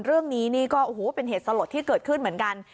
เรื่องนี้นี่ก็โอ้โหเป็นเหตุสลดที่เกิดขึ้นเหมือนกัน